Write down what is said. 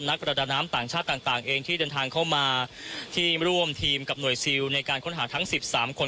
ประดาน้ำต่างชาติต่างเองที่เดินทางเข้ามาที่ร่วมทีมกับหน่วยซิลในการค้นหาทั้ง๑๓คน